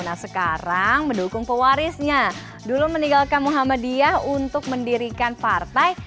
nah sekarang mendukung pewarisnya dulu meninggalkan muhammadiyah untuk mendirikan partai